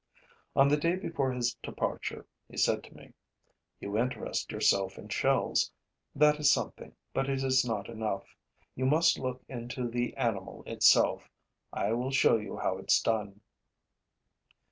On the day before his departure, he said to me: 'You interest yourself in shells. That is something, but it is not enough. You must look into the animal itself. I will show you how it's done.'